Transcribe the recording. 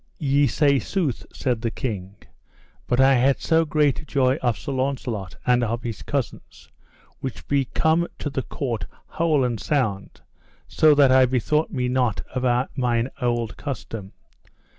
Ye say sooth, said the king, but I had so great joy of Sir Launcelot and of his cousins, which be come to the court whole and sound, so that I bethought me not of mine old custom.